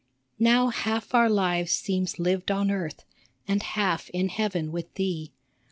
Now half our lives seems lived on earth, And half in heaven with thee.